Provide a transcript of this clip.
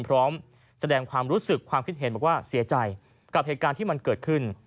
พร้อมแสดงความรู้สึกความคิดเห็นบอกว่าเสียใจกับเหตุการณ์ที่มันเกิดขึ้น